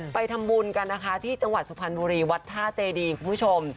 ไปทำบุญกันนะคะที่จังหวัดสุพรรณบุรีวัดท่าเจดีคุณผู้ชม